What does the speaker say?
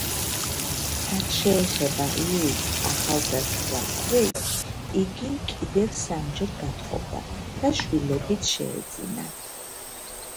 რაც შეეხება ლუის ახალგაზრდა ქვრივს, იგი კიდევ სამჯერ გათხოვდა და შვილებიც შეეძინა.